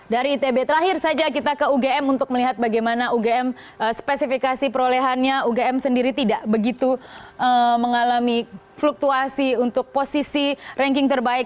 dari itb terakhir saja kita ke ugm untuk melihat bagaimana ugm spesifikasi perolehannya ugm sendiri tidak begitu mengalami fluktuasi untuk posisi ranking terbaik